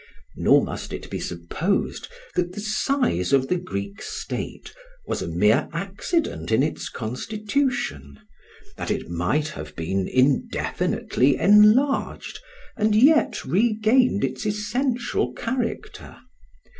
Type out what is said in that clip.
Nor must it be supposed that the size of the Greek state was a mere accident in its constitution, that it might have been indefinitely enlarged and yet regained its essential character.